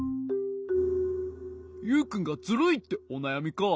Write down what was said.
ユウくんがズルいっておなやみか。